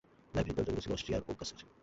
লাইব্রেরির দরজাগুলো ছিল অস্ট্রিয়ার ওক গাছের।